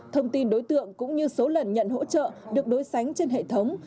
thông tin đối tượng cũng như số lần nhận hỗ trợ được đối sánh trên hệ thống